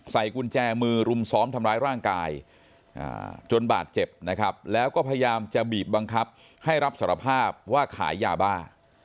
กุญแจมือรุมซ้อมทำร้ายร่างกายจนบาดเจ็บนะครับแล้วก็พยายามจะบีบบังคับให้รับสารภาพว่าขายยาบ้า